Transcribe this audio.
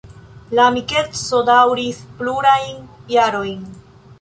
La amikeco daŭris plurajn jarojn.